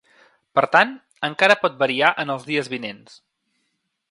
Per tant, encara pot variar en els dies vinents.